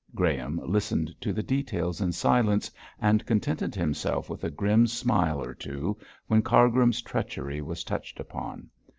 Graham listened to the details in silence, and contented himself with a grim smile or two when Cargrim's treachery was touched upon.